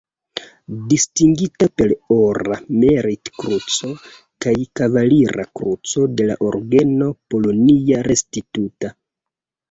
Distingita per Ora Merit-Kruco kaj Kavalira Kruco de la Ordeno "Polonia Restituta".